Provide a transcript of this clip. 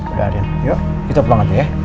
udah arin yuk kita pulang aja ya